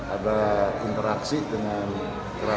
ada interaksi dengan kerabat